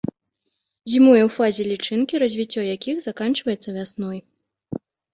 Зімуе ў фазе лічынкі, развіццё якіх заканчваецца вясной.